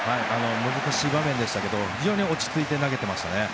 難しい場面でしたが非常に落ち着いて投げていました。